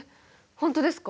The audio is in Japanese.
本当ですか？